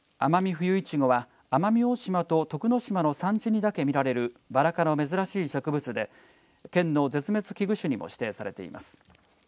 フユイチゴは奄美大島と徳之島の山地にだけ見られるバラ科の珍しい植物で県の絶滅危惧種にも指定されています。